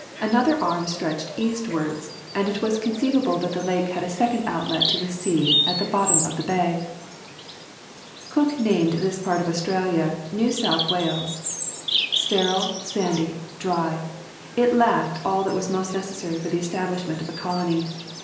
Another arm stretched eastwards, and it was conceivable that the lake had a second outlet into the sea at the bottom of the bay. Cook named this part of Australia New South Wales. Sterile, sandy, dry, it lacked all that was most necessary for the establishment of a colony.